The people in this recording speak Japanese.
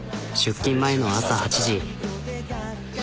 出勤前の朝８時。